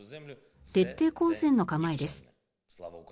徹底抗戦の構えです。